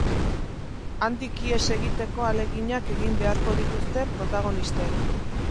Handik ihes egiteko ahaleginak egin beharko dituzte protagonistek.